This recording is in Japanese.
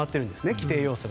規定要素が。